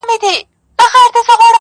o د خپل ژوند په يوه خړه آئينه کي.